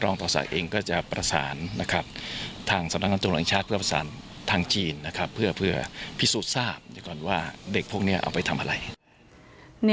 ต้องการตั้งแต่ปี๕๕๕๖